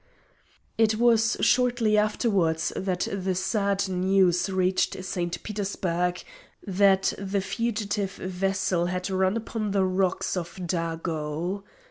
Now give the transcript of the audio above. It was shortly afterwards that the sad news reached St. Petersburg that the fugitive vessel had run upon the rocks of Dago.